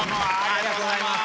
ありがとうございます。